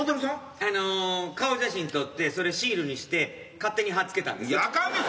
あの顔写真撮ってそれシールにして勝手に貼っ付けたんです。